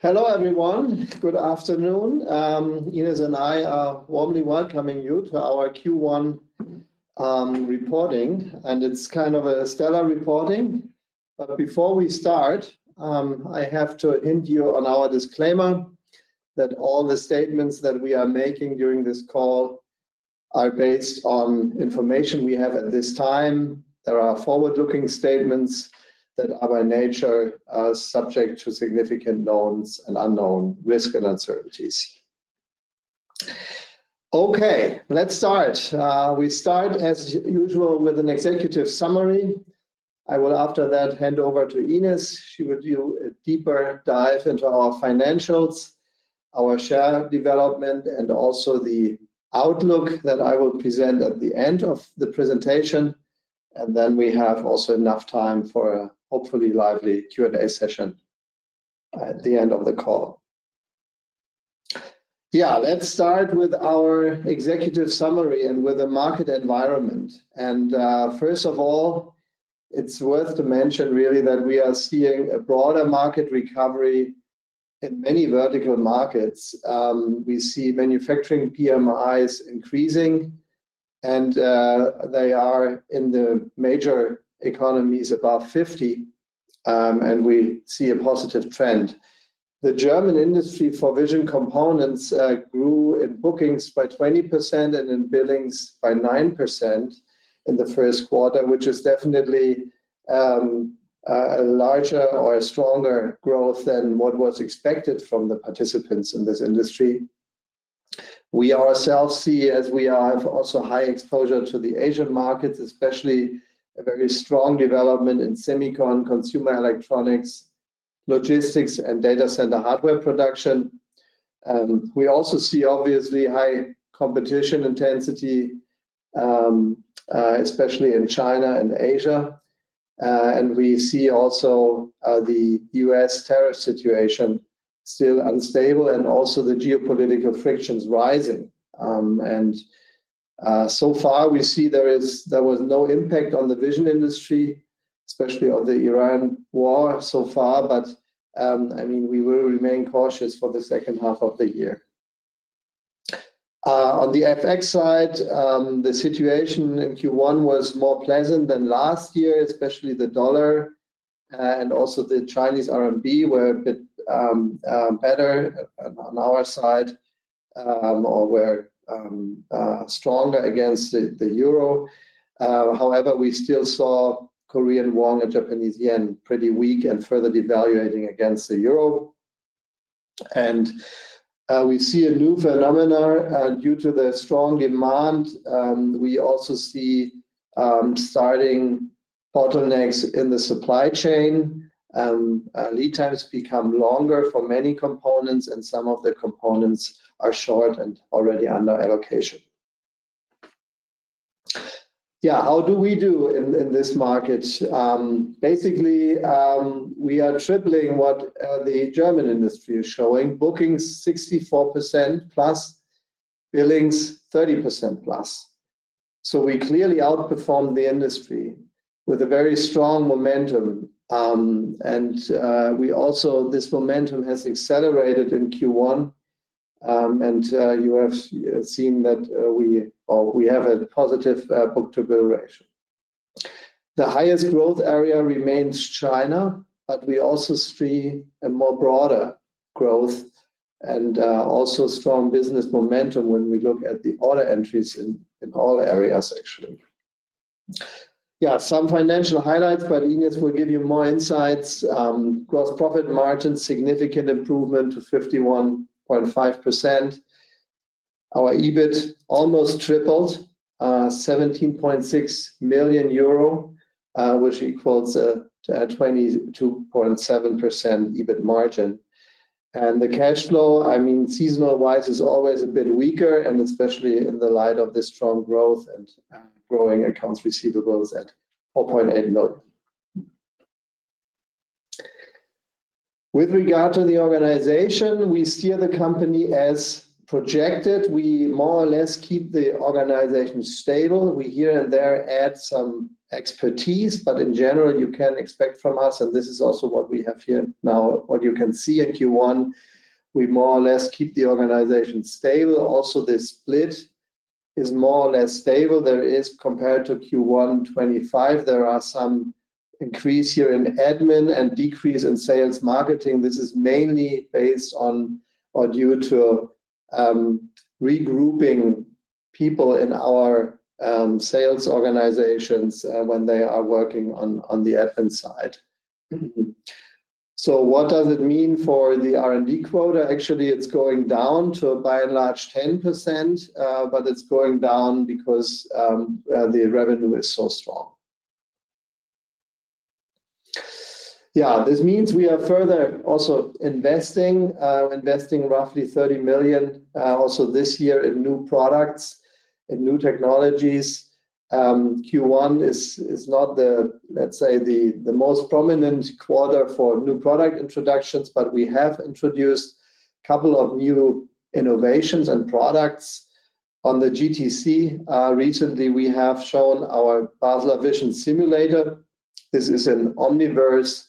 Hello, everyone. Good afternoon. Ines and I are warmly welcoming you to our Q1 reporting, and it's kind of a stellar reporting. Before we start, I have to end you on our disclaimer that all the statements that we are making during this call are based on information we have at this time. There are forward-looking statements that are by nature are subject to significant knowns and unknown risk and uncertainties. Okay, let's start. We start as usual with an executive summary. I will after that hand over to Ines. She will do a deeper dive into our financials, our share development and also the outlook that I will present at the end of the presentation. Then we have also enough time for a hopefully lively Q&A session at the end of the call. Let's start with our executive summary and with the market environment. First of all, it's worth to mention really that we are seeing a broader market recovery in many vertical markets. We see manufacturing PMIs increasing, and they are in the major economies above 50, and we see a positive trend. The German industry for vision components grew in bookings by 20% and in billings by 9% in the first quarter, which is definitely a larger or a stronger growth than what was expected from the participants in this industry. We ourselves see as we have also high exposure to the Asian markets, especially a very strong development in semicon, consumer electronics, logistics, and data center hardware production. We also see obviously high competition intensity, especially in China and Asia. We see also the U.S. tariff situation still unstable and also the geopolitical frictions rising. So far we see there was no impact on the vision industry, especially on the Iran war so far, I mean, we will remain cautious for the second half of the year. On the FX side, the situation in Q1 was more pleasant than last year, especially the USD, also the Chinese RMB were a bit better on our side or were stronger against the euro. We still saw Korean won and Japanese yen pretty weak and further devaluating against the euro. We see a new phenomena due to the strong demand, we also see starting bottlenecks in the supply chain. Lead times become longer for many components, and some of the components are short and already under allocation. How do we do in this market? We are tripling what the German industry is showing. Bookings 64%+, billings 30%+. We clearly outperformed the industry with a very strong momentum. This momentum has accelerated in Q1. You have seen that we have a positive book-to-bill ratio. The highest growth area remains China, but we also see a more broader growth and also strong business momentum when we look at the order entries in all areas, actually. Some financial highlights, but Ines will give you more insights. Gross profit margin, significant improvement to 51.5%. Our EBIT almost tripled, 17.6 million euro, which equals a 22.7% EBIT margin. The cash flow, I mean, seasonal-wise is always a bit weaker, and especially in the light of the strong growth and growing accounts receivables at 4.8 million. With regard to the organization, we steer the company as projected. We more or less keep the organization stable. We here and there add some expertise, but in general, you can expect from us, and this is also what we have here now, what you can see in Q1, we more or less keep the organization stable. Also, the split is more or less stable. There is, compared to Q1 2025, there are some increase here in admin and decrease in sales marketing. This is mainly based on or due to regrouping people in our sales organizations when they are working on the admin side. What does it mean for the R&D quota? Actually, it's going down to by and large 10%, but it's going down because the revenue is so strong. This means we are further also investing roughly 30 million also this year in new products and new technologies. Q1 is not the, let's say, the most prominent quarter for new product introductions, but we have introduced couple of new innovations and products. On the GTC, recently we have shown our Basler Vision Simulation. This is an Omniverse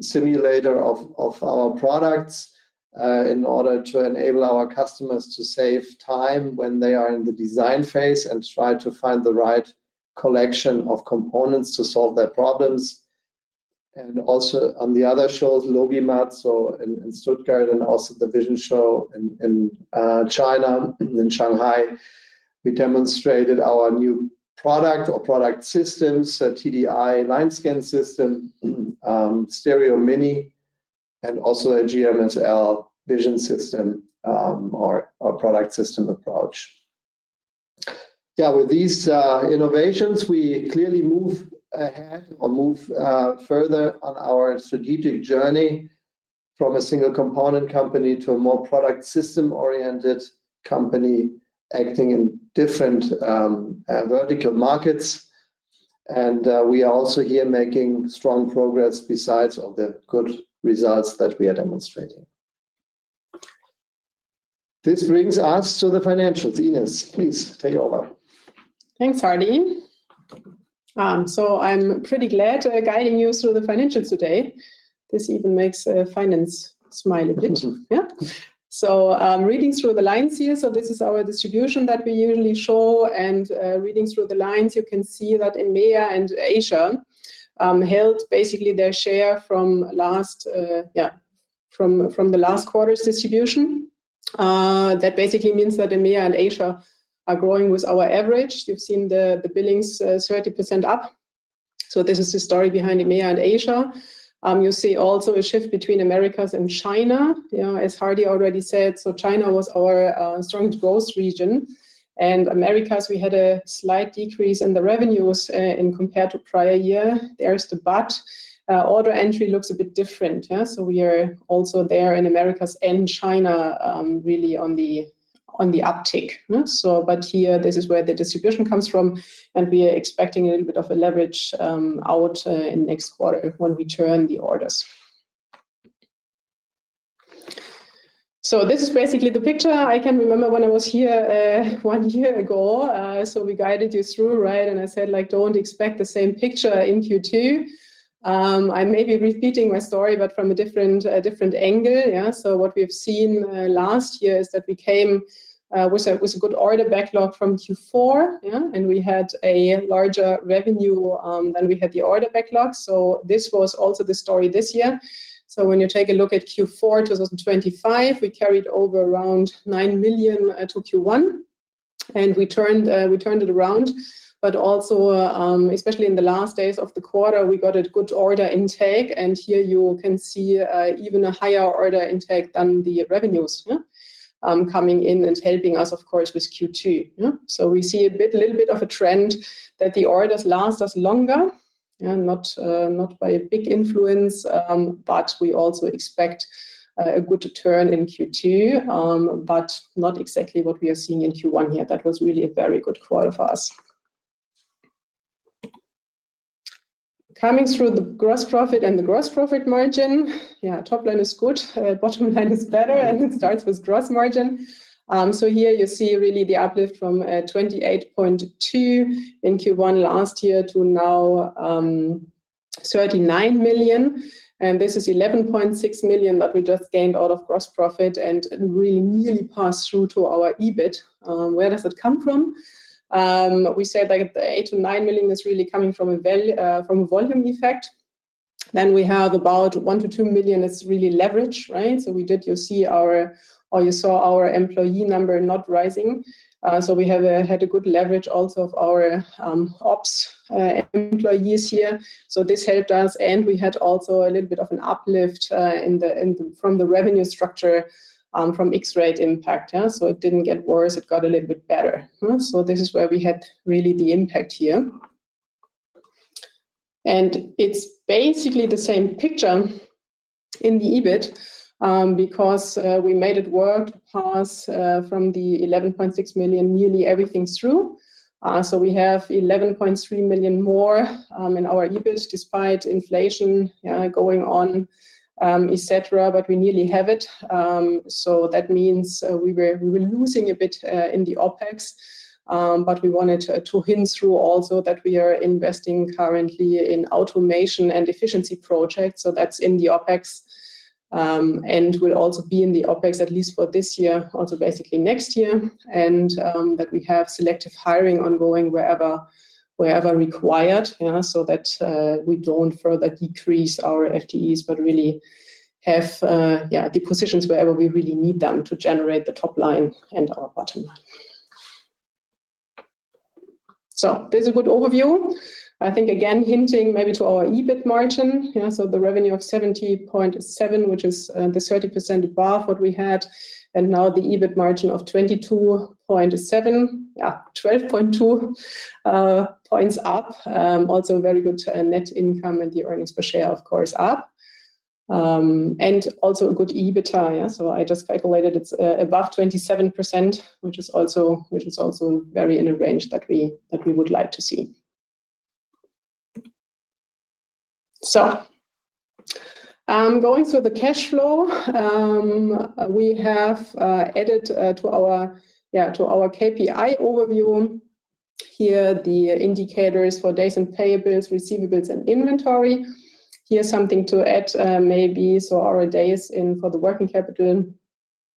simulator of our products in order to enable our customers to save time when they are in the design phase and try to find the right collection of components to solve their problems. Also on the other shows, LogiMAT, so in Stuttgart, and also the Vision China Shanghai, we demonstrated our new product or product systems, so TDI Line Scan system, Stereo mini, and also a GMSL vision system, our product system approach. Yeah, with these innovations, we clearly move ahead or move further on our strategic journey from a single component company to a more product system-oriented company acting in different vertical markets. We are also here making strong progress besides all the good results that we are demonstrating. This brings us to the financials. Ines, please take over. Thanks, Hardy. I'm pretty glad guiding you through the financials today. This even makes finance smile a bit. Yeah. Reading through the lines here, so this is our distribution that we usually show, and reading through the lines, you can see that EMEA and Asia held basically their share from last from the last quarter's distribution. That basically means that EMEA and Asia are growing with our average. You've seen the billings 30% up, so this is the story behind EMEA and Asia. You see also a shift between Americas and China. You know, as Hardy already said, so China was our strong growth region. Americas, we had a slight decrease in the revenues in compared to prior year. There is the but. Order entry looks a bit different, yeah? We are also there in Americas and China, really on the uptick. Here, this is where the distribution comes from, and we are expecting a little bit of a leverage out in next quarter when we turn the orders. This is basically the picture. I can remember when I was here one year ago, we guided you through. I said, like, "Don't expect the same picture in Q2." I may be repeating my story, but from a different angle. What we have seen last year is that we came with a good order backlog from Q4. We had a larger revenue than we had the order backlog. This was also the story this year. When you take a look at Q4 2025, we carried over around 9 million to Q1, and we turned it around. Also, especially in the last days of the quarter, we got a good order intake, and here you can see even a higher order intake than the revenues coming in and helping us, of course, with Q2. We see a little bit of a trend that the orders last us longer, not by a big influence. We also expect a good turn in Q2, but not exactly what we are seeing in Q1 here. That was really a very good quarter for us. Coming through the gross profit and the gross profit margin, top line is good, bottom line is better and starts with gross margin. Here you see really the uplift from 28.2 million in Q1 last year to now, 39 million. This is 11.6 million that we just gained out of gross profit and we nearly passed through to our EBIT. Where does it come from? We said, like, 8 million-9 million is really coming from a volume effect. We have about 1 million-2 million that's really leverage, right? We did, you saw our employee number not rising. We have had a good leverage also of our ops employees here. This helped us, and we had also a little bit of an uplift in the revenue structure from FX rate impact, yeah. It didn't get worse. It got a little bit better. This is where we had really the impact here. It's basically the same picture in the EBIT because we made it work past from the 11.6 million, nearly everything through. We have 11.3 million more in our EBIT despite inflation going on, et cetera, but we nearly have it. That means we were losing a bit in the OpEx, but we wanted to hint through also that we are investing currently in automation and efficiency projects, so that's in the OpEx and will also be in the OpEx at least for this year, also basically next year. That we have selective hiring ongoing wherever required, so that we don't further decrease our FTEs but really have the positions wherever we really need them to generate the top line and our bottom line. This is a good overview. I think, again, hinting maybe to our EBIT margin, so the revenue of 70.7, which is the 30% above what we had, and now the EBIT margin of 22.7, 12.2 points up. Also very good net income and the earnings per share, of course, up. Also a good EBITA. I just calculated it's above 27%, which is also very in a range that we would like to see. Going through the cash flow, we have added to our KPI overview here the indicators for days in payables, receivables, and inventory. Here's something to add, our days in for the working capital.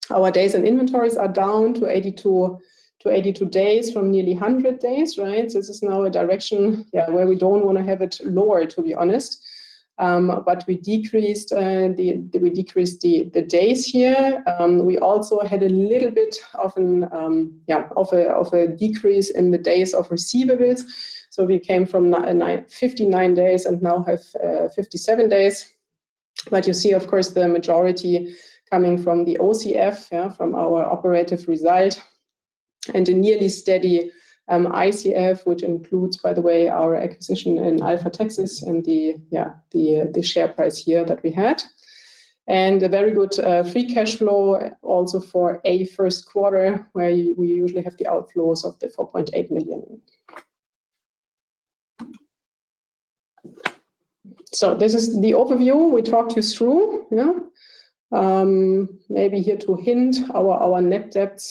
Our days in inventory are down to 82 days from nearly 100 days, right? This is now a direction where we don't wanna have it lower, to be honest. We decreased the days here. We also had a little bit of a decrease in the days of receivables. We came from 59 days and now have 57 days. You see, of course, the majority coming from the OCF, from our operative result, and a nearly steady ICF, which includes, by the way, our acquisition in Alpha TechSys and the share price here that we had. A very good free cash flow also for a first quarter, where we usually have the outflows of 4.8 million. This is the overview we talked you through. Maybe here to hint our net debt,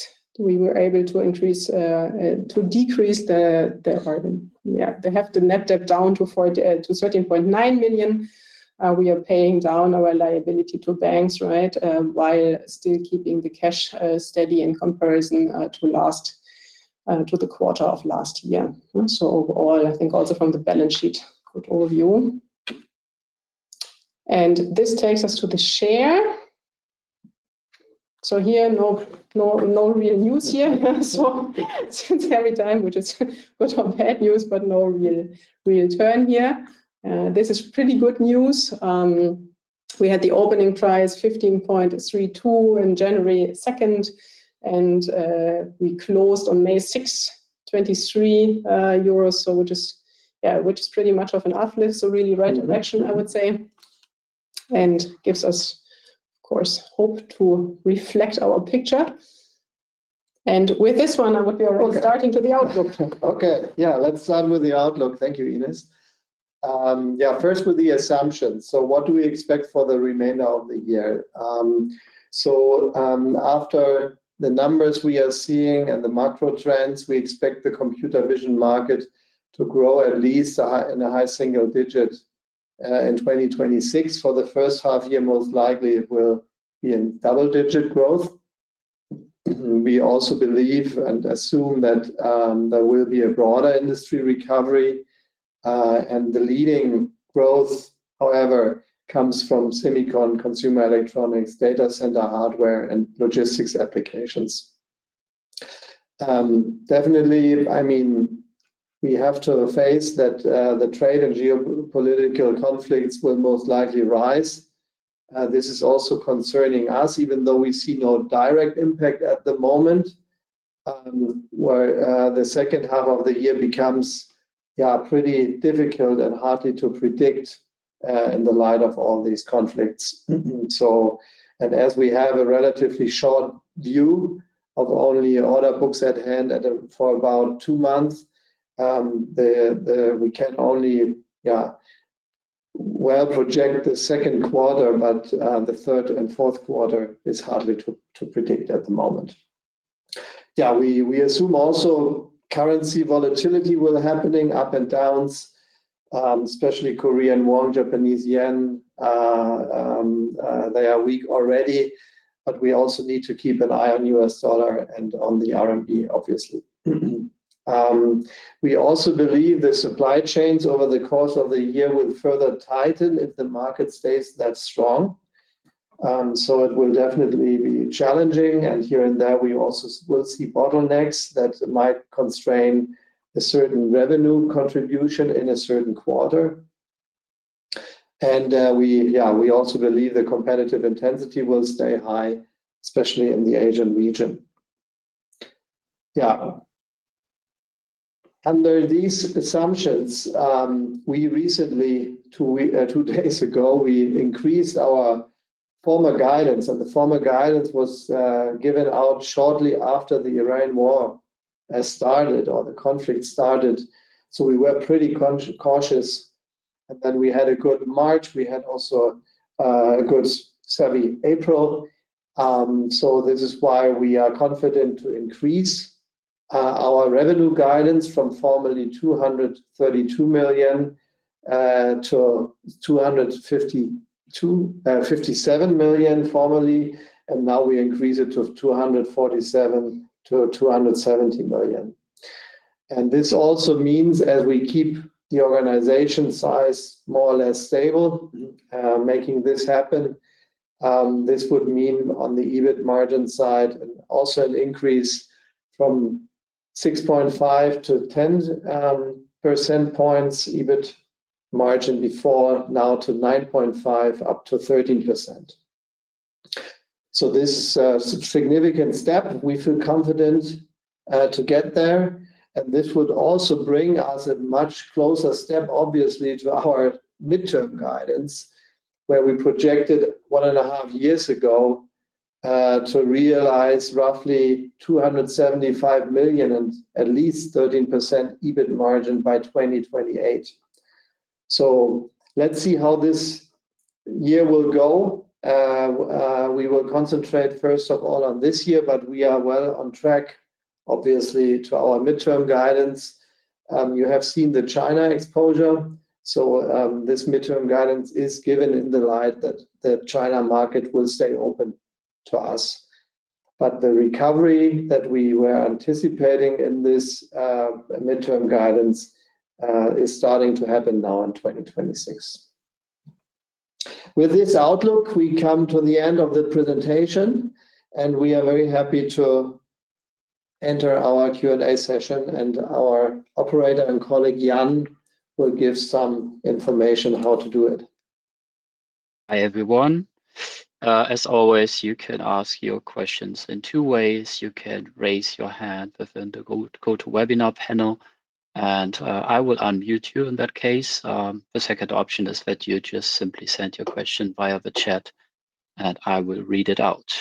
we were able to decrease. We have the net debt down to 13.9 million. We are paying down our liability to banks, right, while still keeping the cash steady in comparison to last, to the quarter of last year. Overall, I think also from the balance sheet overview. This takes us to the share. Here, no real news here. Since every time, which is lot of bad news, but no real turn here. This is pretty good news. We had the opening price 15.32 in January second, and we closed on May sixth, 23 euros. Which is pretty much of an uplift, so really right direction, I would say, and gives us, of course, hope to reflect our picture. With this one, I would be able to start into the outlook. Okay. Let's start with the outlook. Thank you, Ines. First with the assumptions. What do we expect for the remainder of the year? After the numbers we are seeing and the macro trends, we expect the computer vision market to grow at least in a high single-digit in 2026. For the first half year, most likely it will be in double-digit growth. We also believe and assume that there will be a broader industry recovery, and the leading growth, however, comes from semicon, consumer electronics, data center hardware, and logistics applications. Definitely, I mean, we have to face that the trade and geopolitical conflicts will most likely rise. This is also concerning us, even though we see no direct impact at the moment, where the second half of the year becomes, yeah, pretty difficult and hardly to predict in the light of all these conflicts. And as we have a relatively short view of only order books at hand at for about 2 months, we can only, yeah, well project the second quarter, but the third and fourth quarter is hardly to predict at the moment. Yeah, we assume also currency volatility will happening up and downs, especially Korean won, Japanese yen. They are weak already, but we also need to keep an eye on US dollar and on the RMB, obviously. We also believe the supply chains over the course of the year will further tighten if the market stays that strong. It will definitely be challenging. Here and there, we also will see bottlenecks that might constrain a certain revenue contribution in a certain quarter. We also believe the competitive intensity will stay high, especially in the Asian region. Under these assumptions, we recently, 2 days ago, we increased our former guidance. The former guidance was given out shortly after the Iran war started or the conflict started. We were pretty cautious. We had a good March. We had also a good solid April. This is why we are confident to increase our revenue guidance from formerly 232 million to 252 million-257 million formerly, now we increase it to 247 million-270 million. This also means as we keep the organization size more or less stable, making this happen, this would mean on the EBIT margin side, an increase from 6.5-10 percentage points EBIT margin before now to 9.5%-13%. This significant step, we feel confident to get there. This would also bring us a much closer step, obviously, to our midterm guidance, where we projected one and a half years ago to realize roughly 275 million and at least 13% EBIT margin by 2028. Let's see how this year will go. We will concentrate first of all on this year, but we are well on track, obviously, to our midterm guidance. You have seen the China exposure, so, this midterm guidance is given in the light that the China market will stay open to us. The recovery that we were anticipating in this midterm guidance is starting to happen now in 2026. With this outlook, we come to the end of the presentation, and we are very happy to enter our Q&A session, and our operator and colleague, Jan, will give some information on how to do it. Hi, everyone. As always, you can ask your questions in two ways. You can raise your hand within the GoToWebinar panel, I will unmute you in that case. The second option is that you just simply send your question via the chat, I will read it out.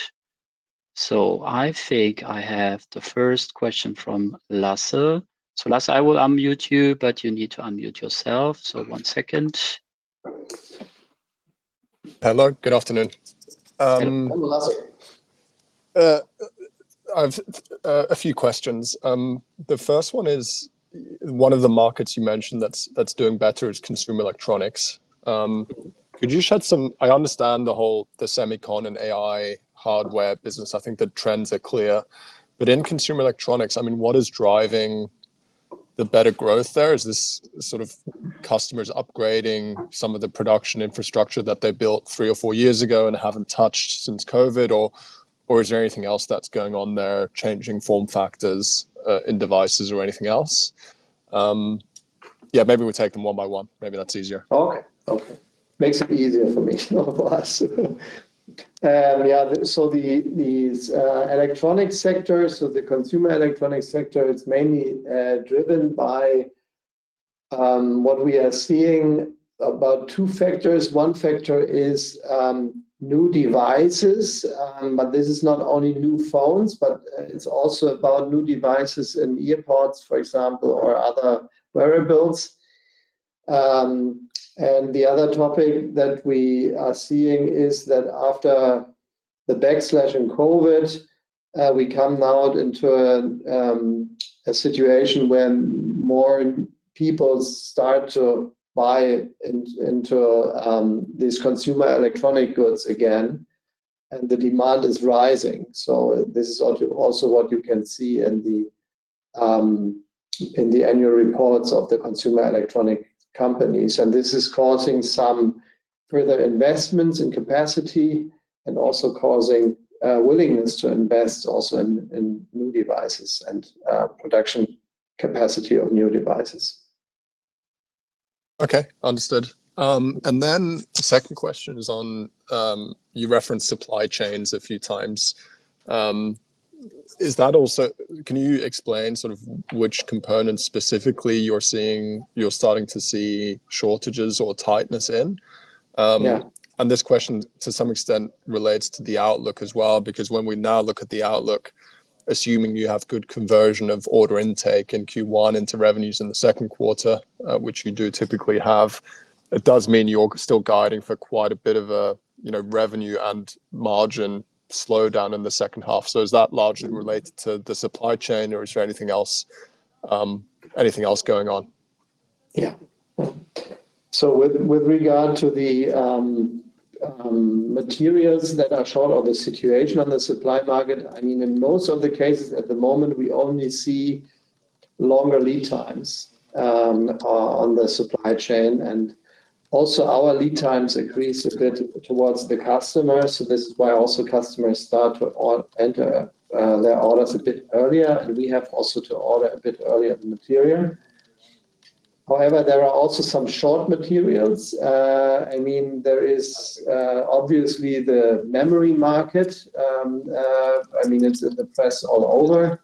I think I have the first question from Lasse. Lasse, I will unmute you need to unmute yourself. One second. Hello. Good afternoon. Hello, Lasse. I've a few questions. The first one is one of the markets you mentioned that's doing better is consumer electronics. Could you shed some-- I understand the whole, the semicon and AI hardware business. I think the trends are clear. In consumer electronics, I mean, what is driving the better growth there? Is this sort of customers upgrading some of the production infrastructure that they built three or four years ago and haven't touched since COVID or is there anything else that's going on there, changing form factors, in devices or anything else? Yeah, maybe we take them one by one. Maybe that's easier. Okay. Okay. Makes it easier for me and for us. These electronics sectors, the consumer electronics sector is mainly driven by what we are seeing about two factors. One factor is new devices. This is not only new phones, it's also about new devices and earbuds, for example, or other wearables. The other topic that we are seeing is that after the backslash in COVID, we come now into a situation when more people start to buy into these consumer electronic goods again. The demand is rising. This is also what you can see in the annual reports of the consumer electronic companies. This is causing some further investments in capacity and also causing a willingness to invest also in new devices and production capacity of new devices. Okay. Understood. The second question is on, you referenced supply chains a few times. Can you explain sort of which components specifically you're starting to see shortages or tightness in? This question, to some extent, relates to the outlook as well, because when we now look at the outlook, assuming you have good conversion of order intake in Q1 into revenues in the second quarter, which you do typically have, it does mean you're still guiding for quite a bit of a, you know, revenue and margin slowdown in the second half. Is that largely related to the supply chain or is there anything else, anything else going on? Yeah. With, with regard to the materials that are short or the situation on the supply market, I mean, in most of the cases at the moment, we only see longer lead times on the supply chain. Also our lead times increase a bit towards the customer. This is why also customers start to enter their orders a bit earlier, and we have also to order a bit earlier the material. However, there are also some short materials. I mean, there is obviously the memory market. I mean, it's in the press all over.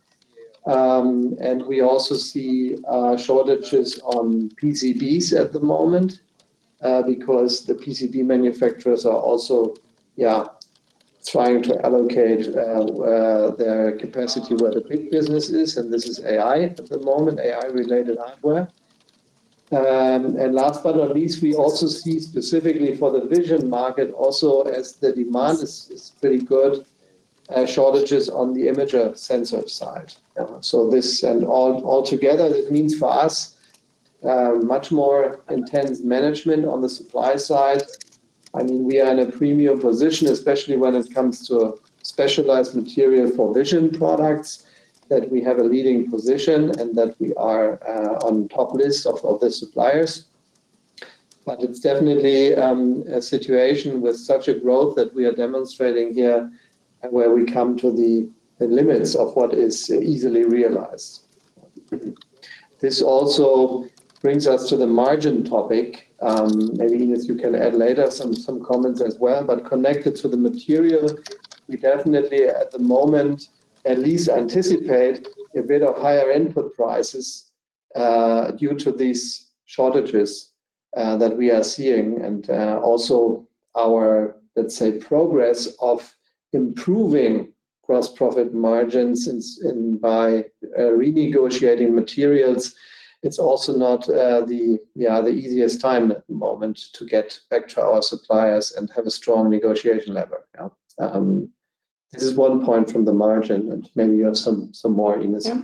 We also see shortages on PCBs at the moment because the PCB manufacturers are also, yeah, trying to allocate their capacity where the big business is, and this is AI at the moment, AI-related hardware. Last but not least, we also see specifically for the vision market also as the demand is pretty good, shortages on the image sensor side. This and all together, it means for us much more intense management on the supply side. I mean, we are in a premium position, especially when it comes to specialized material for vision products, that we have a leading position and that we are on top list of the suppliers. It's definitely a situation with such a growth that we are demonstrating here and where we come to the limits of what is easily realized. This also brings us to the margin topic. Maybe, Ines, you can add later some comments as well. Connected to the material, we definitely, at the moment, at least anticipate a bit of higher input prices. Due to these shortages that we are seeing and also our, let's say, progress of improving gross profit margins in by renegotiating materials, it's also not the easiest time at the moment to get back to our suppliers and have a strong negotiation lever. This is one point from the margin, and maybe you have some more, Ines. Yeah.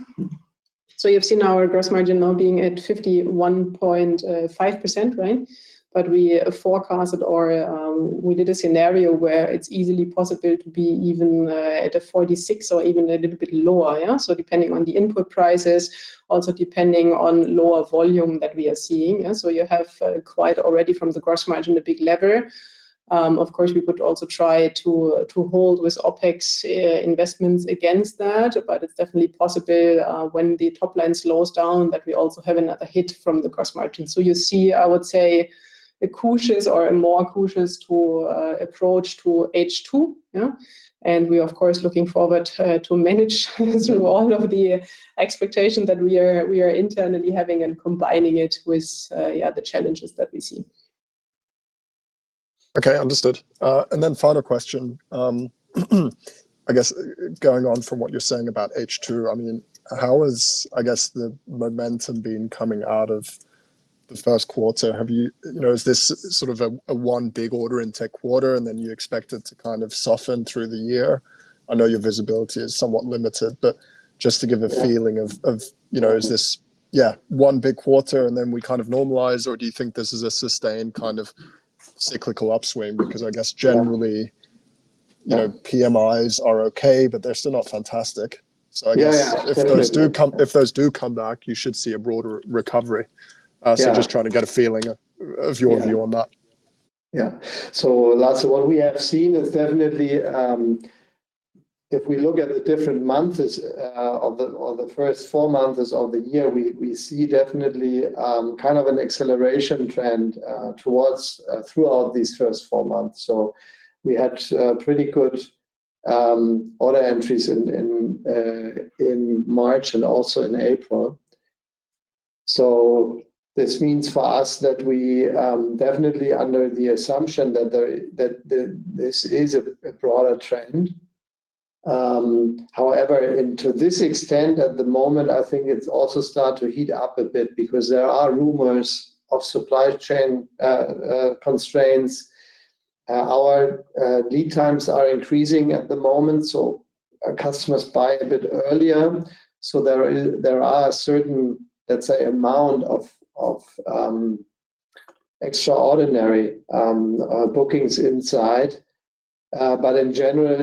You've seen our gross margin now being at 51.5%, right? We forecasted or we did a scenario where it's easily possible to be even at a 46% or even a little bit lower, yeah. Depending on the input prices, also depending on lower volume that we are seeing, yeah. You have quite already from the gross margin a big lever. Of course, we could also try to hold with OpEx investments against that. It's definitely possible when the top line slows down that we also have another hit from the gross margin. You see, I would say, a cautious or a more cautious to approach to H2, yeah. We of course looking forward to manage through all of the expectation that we are internally having and combining it with the challenges that we see. Okay. Understood. Final question. I guess, going on from what you're saying about H2, I mean, how is, I guess, the momentum been coming out of the first quarter? You know, is this sort of a one big order intake quarter and then you expect it to kind of soften through the year? I know your visibility is somewhat limited, but just to give a feeling of, you know, is this, one big quarter and then we kind of normalize, or do you think this is a sustained kind of cyclical upswing? Because I guess generally, you know, PMIs are okay, but they're still not fantastic. If those do come back, you should see a broader recovery. Just trying to get a feeling of your view on that. Yeah. Yeah. That's what we have seen is definitely, if we look at the different months of the first four months of the year, we see definitely kind of an acceleration trend throughout these first four months. We had pretty good order entries in March and also in April. This means for us that we definitely under the assumption that this is a broader trend. However, and to this extent, at the moment, I think it's also start to heat up a bit because there are rumors of supply chain constraints. Our lead times are increasing at the moment, so our customers buy a bit earlier. There are certain, let's say, amount of extraordinary bookings inside. In general,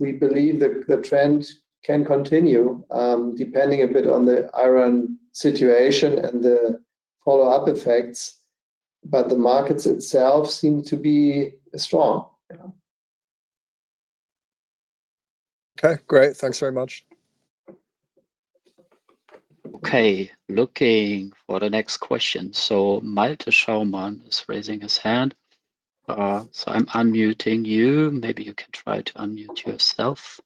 we believe the trend can continue, depending a bit on the Iran war and the follow-up effects, but the markets itself seem to be strong. Okay. Great. Thanks very much. Okay. Looking for the next question. Malte Schaumann is raising his hand. I'm unmuting you. Maybe you can try to unmute yourself.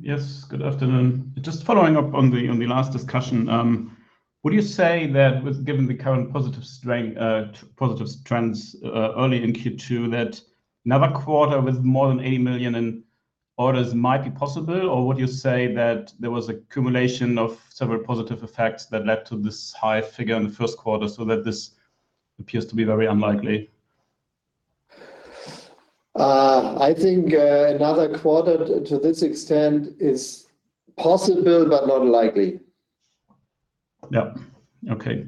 Yes. Good afternoon. Just following up on the last discussion. Would you say that given the current positive strain, positive trends, early in Q2, that another quarter with more than 80 million in orders might be possible? Or would you say that there was accumulation of several positive effects that led to this high figure in the first quarter so that this appears to be very unlikely? I think another quarter to this extent is possible but not likely. Yep. Okay.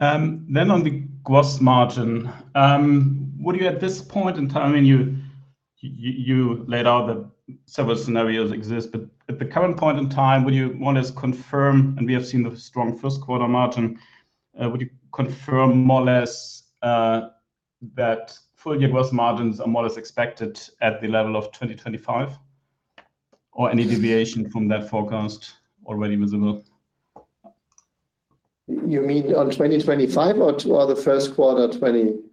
On the gross margin, would you at this point in time I mean, you laid out that several scenarios exist. At the current point in time, would you want us confirm, and we have seen the strong first quarter margin, would you confirm more or less, that full-year gross margins are more or less expected at the level of 2025, or any deviation from that forecast already visible? You mean on 2025 or the first quarter 2026?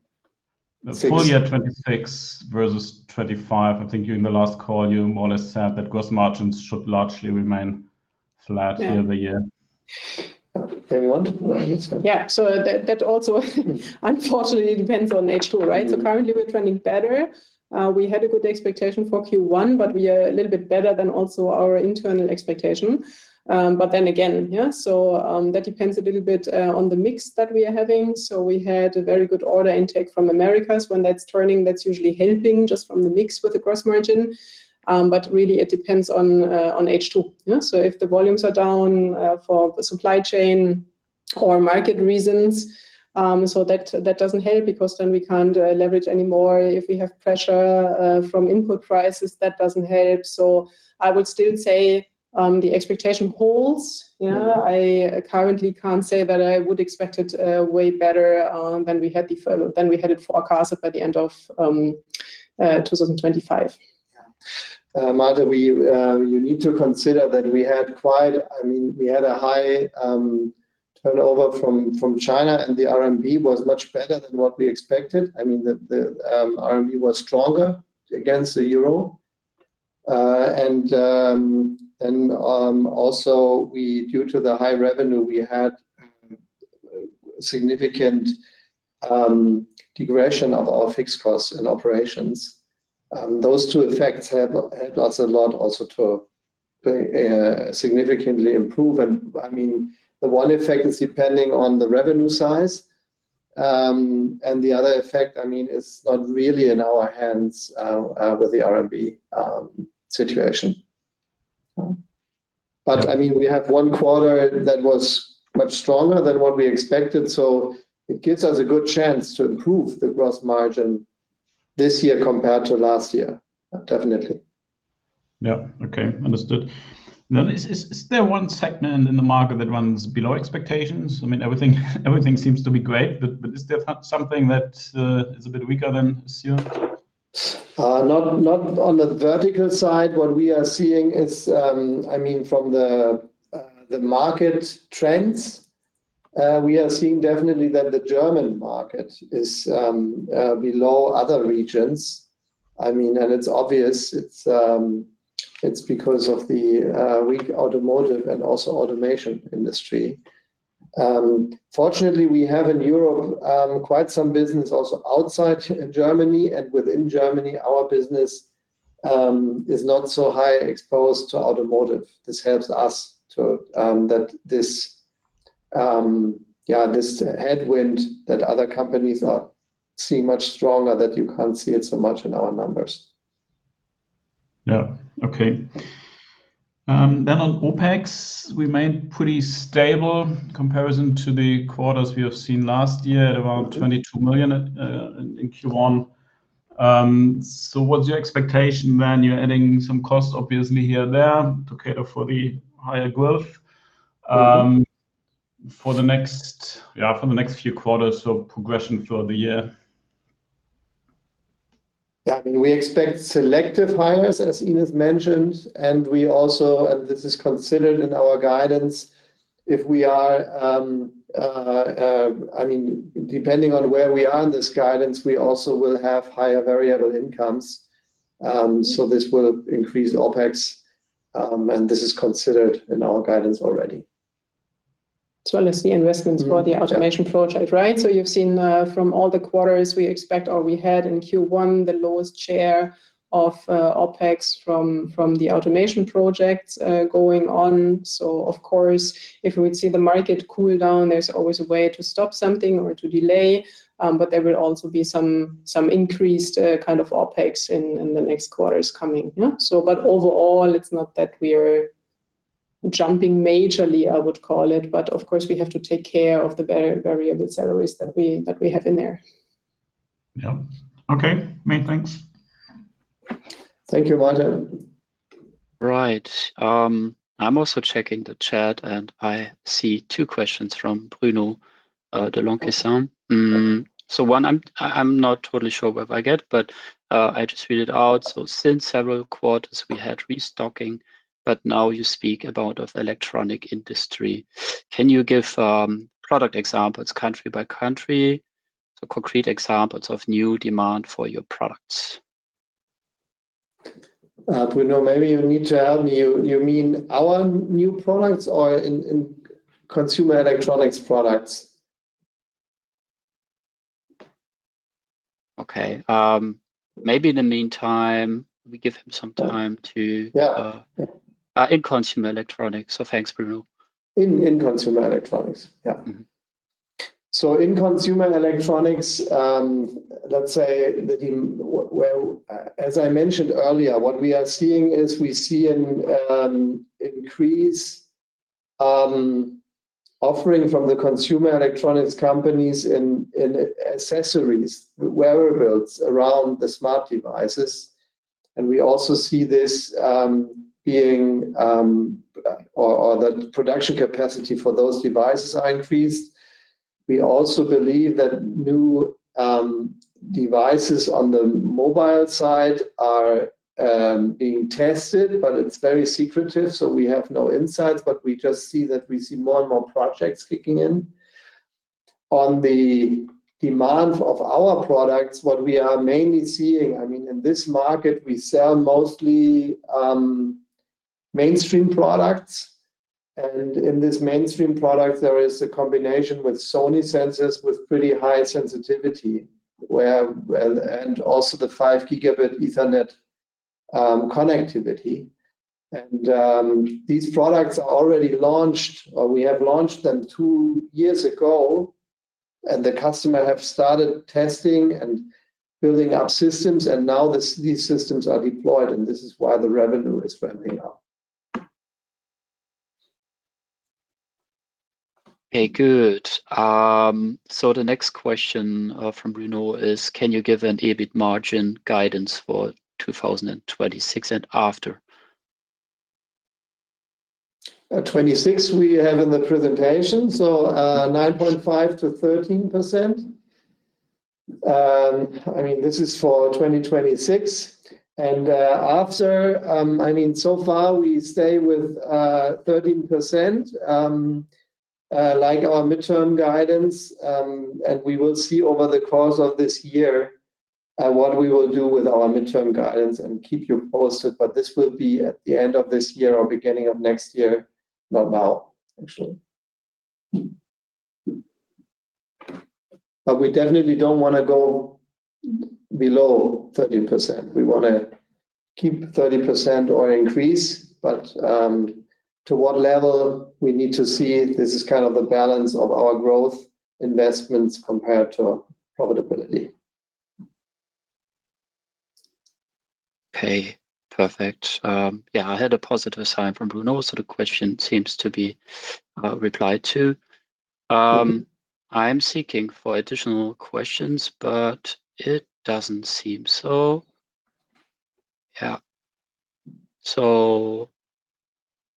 The full year 2026 versus 2025? I think during the last call, you more or less said that gross margins should largely remain flat year-over-year. There you want, Ines go. That also unfortunately depends on H2. Currently, we're trending better. We had a good expectation for Q1, but we are a little bit better than also our internal expectation. That depends a little bit on the mix that we are having. We had a very good order intake from Americas. When that's turning, that's usually helping just from the mix with the gross margin. Really it depends on H2. Yeah. If the volumes are down for the supply chain or market reasons, that doesn't help because then we can't leverage anymore. If we have pressure from input prices, that doesn't help. I would still say the expectation holds. Yeah, I currently can't say that I would expect it, way better, than we had it forecasted by the end of, 2025. Yeah. Malte, we, you need to consider that I mean, we had a high turnover from China and the RMB was much better than what we expected. I mean, the RMB was stronger against the euro. Also, due to the high revenue, we had significant degression of our fixed costs and operations. Those two effects have helped us a lot also to significantly improve. I mean, the one effect is depending on the revenue size. The other effect, I mean, is not really in our hands with the RMB situation. I mean, we have one quarter that was much stronger than what we expected, so it gives us a good chance to improve the gross margin this year compared to last year, definitely. Yeah. Okay, understood. Is there one segment in the market that runs below expectations? I mean, everything seems to be great, but is there something that is a bit weaker than assumed? Not, not on the vertical side. What we are seeing is, I mean, from the market trends, we are seeing definitely that the German market is below other regions. I mean, it's obvious, it's because of the weak automotive and also automation industry. Fortunately, we have in Europe quite some business also outside Germany and within Germany. Our business is not so high exposed to automotive. This helps us to that this, yeah, this headwind that other companies are seeing much stronger that you can't see it so much in our numbers. Yeah. Okay. On OpEx, we made pretty stable comparison to the quarters we have seen last year, about 22 million in Q1. What's your expectation when you're adding some cost obviously here, there to cater for the higher growth? For the next, yeah, for the next few quarters, progression through the year? Yeah. I mean, we expect selective hires, as Ines mentioned, and we also, and this is considered in our guidance, if we are, I mean, depending on where we are in this guidance, we also will have higher variable incomes. This will increase OpEx. This is considered in our guidance already. As well as the investments for the automation project, right? You've seen, from all the quarters we expect or we had in Q1, the lowest share of OpEx from the automation projects going on. Of course, if we would see the market cool down, there's always a way to stop something or to delay. There will also be some increased kind of OpEx in the next quarters coming, yeah. Overall, it's not that we're jumping majorly, I would call it, but of course, we have to take care of the variable salaries that we have in there. Yeah. Okay. Many thanks. Thank you, Malte. Right. I'm also checking the chat, and I see two questions from Bruno de Longevialle. One I'm not totally sure whether I get, but I just read it out. "Since several quarters we had restocking, but now you speak about of electronic industry. Can you give product examples country by country? Concrete examples of new demand for your products. Bruno, maybe you need to help me. You mean our new products or in consumer electronics products? Okay. Maybe in the meantime we give him some time in consumer electronics. Thanks, Bruno. In consumer electronics. Yeah, In consumer electronics, let's say that in, well, as I mentioned earlier, what we are seeing is we see an increase offering from the consumer electronics companies in accessories, wearables around the smart devices. We also see this being or the production capacity for those devices are increased. We also believe that new devices on the mobile side are being tested, but it's very secretive, so we have no insights. We just see that we see more and more projects kicking in. On the demand of our products, what we are mainly seeing, I mean, in this market, we sell mostly mainstream products. In this mainstream product, there is a combination with Sony sensors with pretty high sensitivity where, well, and also the 5 Gigabit Ethernet connectivity. These products are already launched, or we have launched them two years ago, and the customer have started testing and building out systems, and now these systems are deployed, and this is why the revenue is ramping up. Okay. Good. The next question from Bruno is, "Can you give an EBIT margin guidance for 2026 and after? 2026, we have in the presentation, 9.5%-13%. I mean, this is for 2026. After, I mean so far we stay with 13%, like our midterm guidance. We will see over the course of this year, what we will do with our midterm guidance and keep you posted. This will be at the end of this year or beginning of next year, not now, actually. We definitely don't wanna go below 30%. We wanna keep 30% or increase. To what level, we need to see. This is kind of the balance of our growth investments compared to profitability. Perfect. Yeah, I had a positive sign from Bruno, so the question seems to be replied to. I'm seeking for additional questions, it doesn't seem so. Yeah. There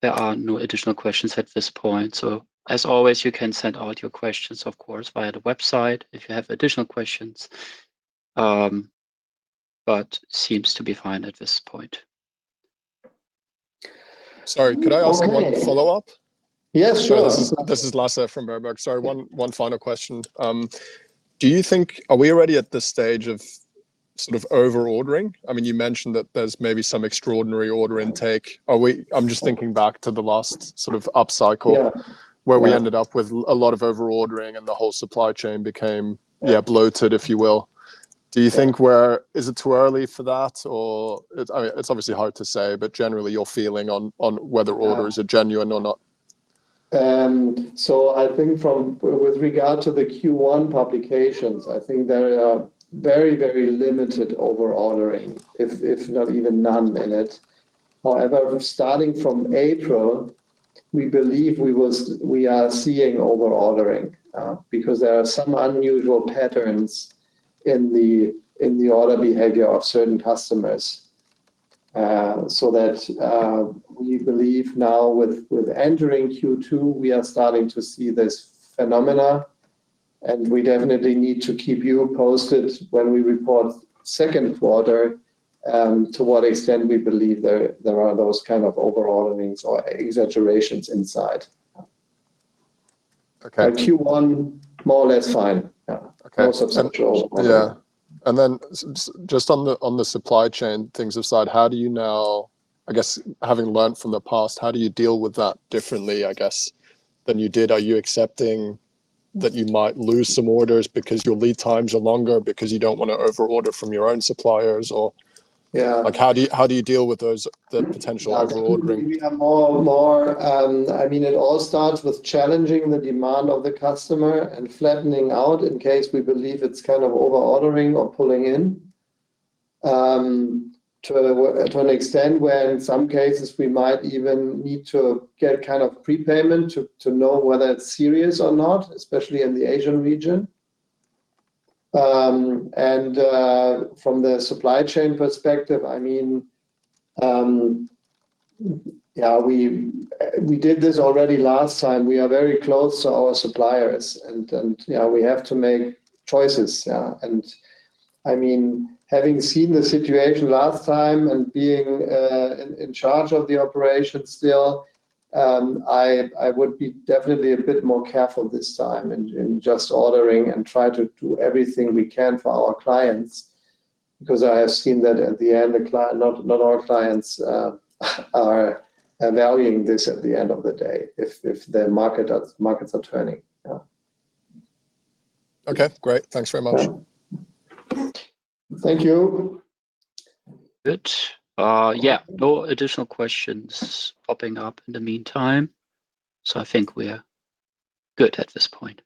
are no additional questions at this point. As always, you can send out your questions, of course, via the website if you have additional questions. Seems to be fine at this point. Sorry, could I ask one follow-up? Yeah, sure. This is Lasse from Berenberg. Sorry, one final question. Do you think Are we already at the stage of sort of over-ordering? I mean, you mentioned that there's maybe some extraordinary order intake. I'm just thinking back to the last sort of up cycle where we ended up with a lot of over-ordering and the whole supply chain became bloated, if you will. Do you think it's too early for that? I mean, it's obviously hard to say, but generally your feeling on whether orders are genuine or not. I think from, with regard to the Q1 publications, I think there are very, very limited over-ordering, if not even none in it. However, starting from April, we believe we are seeing over-ordering, because there are some unusual patterns in the, in the order behavior of certain customers. That, we believe now with entering Q2, we are starting to see this phenomena, and we definitely need to keep you posted when we report second quarter, to what extent we believe there are those kind of over-orderings or exaggerations inside. Q1, more or less fine. Yeah, no substantial over. Yeah. Just on the, on the supply chain things aside, how do you now, I guess, having learnt from the past, how do you deal with that differently, I guess, than you did? Are you accepting that you might lose some orders because your lead times are longer because you don't wanna over-order from your own suppliers? Like, how do you deal with those, the potential over-ordering? We have more, I mean, it all starts with challenging the demand of the customer and flattening out in case we believe it's kind of over-ordering or pulling in, to an extent where in some cases we might even need to get kind of prepayment to know whether it's serious or not, especially in the Asian region. From the supply chain perspective, I mean, we did this already last time. We are very close to our suppliers and we have to make choices. I mean having seen the situation last time and being in charge of the operation still, I would be definitely a bit more careful this time in just ordering and try to do everything we can for our clients. I have seen that at the end, not all clients are valuing this at the end of the day if markets are turning. Yeah. Okay, great. Thanks very much. Thank you. Good. Yeah, no additional questions popping up in the meantime. I think we're good at this point.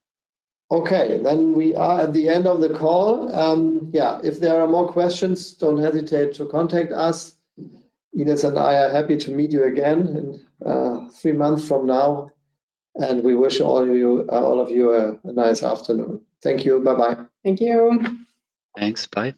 Okay. We are at the end of the call. Yeah, if there are more questions, don't hesitate to contact us. Ines and I are happy to meet you again in three months from now. We wish all you, all of you a nice afternoon. Thank you. Bye-bye. Thank you. Thanks. Bye.